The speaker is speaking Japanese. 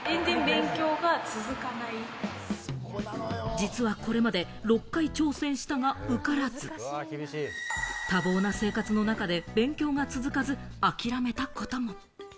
実はこれまで６回挑戦したが受からず、多忙な生活の中で勉強が続かず諦めたことも。